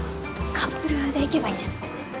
カップル風でいけばいいんじゃない？